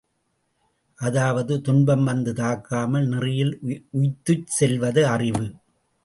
அதாவது, துன்பம் வந்து தாக்காமல் நெறியில் உய்த்துச் செலுத்துவது அறிவு.